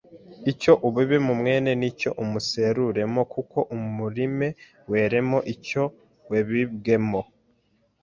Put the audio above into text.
Icyo ubibe mu mwene ni cyo umuseruremo kuko umurime weremo icyo webibwemo